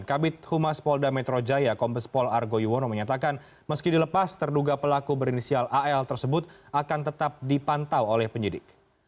kabit humas polda metro jaya kombespol argo yuwono menyatakan meski dilepas terduga pelaku berinisial al tersebut akan tetap dipantau oleh penyidik